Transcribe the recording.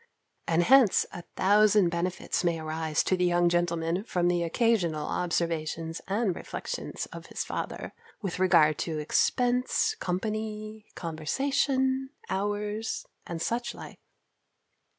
And hence a thousand benefits may arise to the young gentleman from the occasional observations and reflections of his father, with regard to expence, company, conversation, hours, and such like.